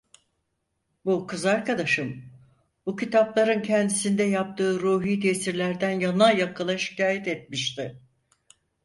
Bu kız arkadaşım bu kitapların kendisinde yaptığı ruhî tesirlerden yana yakıla şikâyet etmişti.